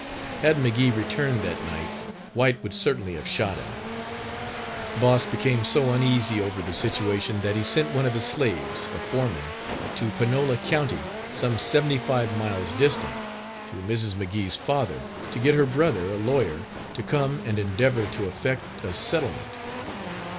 Had McGee returned that night, White would certainly have shot him. Boss became so uneasy over the situation that he sent one of his slaves, a foreman, to Panola county, some Page 58 seventy five miles distant, to Mrs. McGee's father, to get her brother, a lawyer, to come and endeavor to effect a settlement.